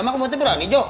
emang kamu berani jo